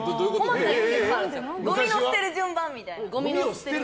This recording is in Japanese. ごみの捨てる順番みたいな。